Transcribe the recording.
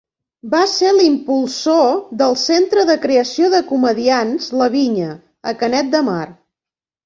Va ser l'impulsor del Centre de Creació de Comediants La Vinya, a Canet de Mar.